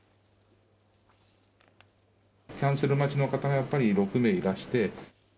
キャンセル待ちの方がやっぱり６名いらして。